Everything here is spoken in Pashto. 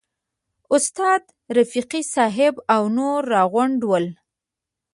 استاد رفیقي صاحب او نور راغونډ ول.